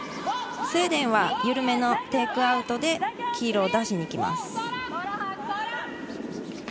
スウェーデンはゆるめのテイクアウトで黄色を出しに行きます。